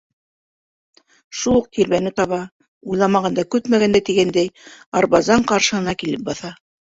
Шул уҡ тирмәне таба, уйламағанда-көтмәгәндә тигәндәй, Орбазан ҡаршыһына килеп баҫа.